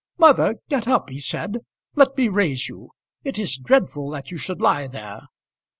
"Mother, get up," he said. "Let me raise you. It is dreadful that you should lie there.